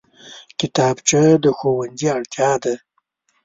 کتابچه د ښوونځي اړتیا ده